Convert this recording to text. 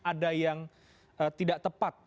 ada yang tidak tepat